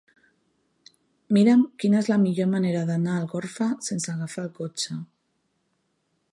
Mira'm quina és la millor manera d'anar a Algorfa sense agafar el cotxe.